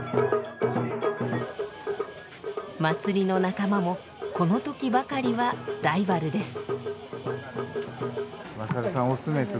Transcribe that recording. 祭りの仲間もこの時ばかりはライバルです。